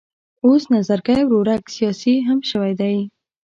اوس نظرګی ورورک سیاسي هم شوی دی.